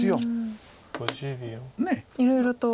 いろいろと。